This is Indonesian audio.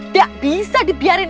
gak bisa dibiarin